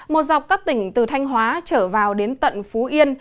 một dọc các tỉnh từ thanh hóa trở vào đến tận phú yên